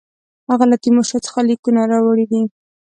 هغه له تیمورشاه څخه لیکونه راوړي دي.